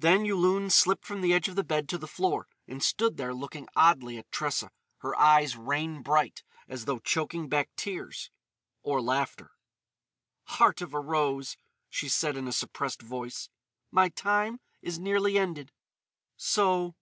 Then Yulun slipped from the edge of the bed to the floor, and stood there looking oddly at Tressa, her eyes rain bright as though choking back tears—or laughter. "Heart of a rose," she said in a suppressed voice, "my time is nearly ended.... So....